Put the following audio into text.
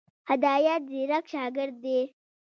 هدایت ځيرک شاګرد دی.